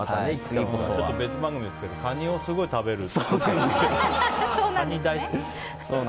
別番組ですけどカニをすごい食べるという。